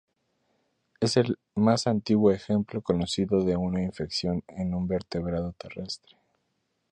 Es el más antiguo ejemplo conocido de una infección en un vertebrado terrestre.